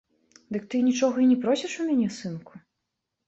Дык ты нічога і не просіш у мяне, сынку?